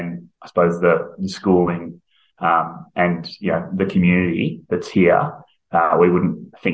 kecuali saya pikir sekolah dan komunitas yang ada di sini